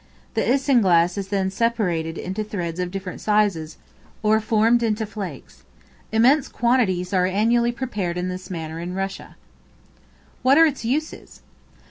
The isinglass is then separated into threads of different sizes, or formed into flakes. Immense quantities are annually prepared in this manner in Russia. What are its uses?